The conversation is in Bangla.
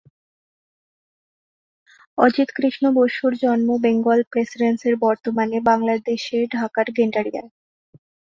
অজিত কৃষ্ণ বসুর জন্ম বেঙ্গল প্রেসিডেন্সির বর্তমানে বাংলাদেশের ঢাকার গেন্ডারিয়ায়।